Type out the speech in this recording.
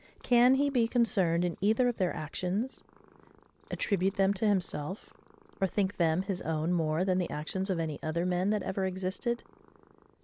Can he be concerned in either of their actions? attribute them to himself, or think them his own more than the actions of any other men that ever existed?